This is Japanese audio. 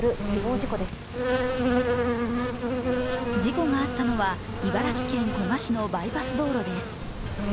事故があったのは茨城県古河市のバイパス道路です。